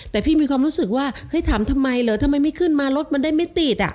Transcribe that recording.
แต่พี่มีความรู้สึกว่าทำไมไม่ขึ้นมารถมันได้ไม่ตีด